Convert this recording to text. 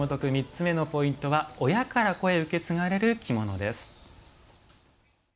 ３つ目のポイントは「親から子へ受け継がれる着物」。